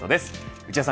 内田さん